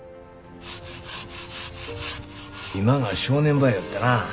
今が正念場やよってな。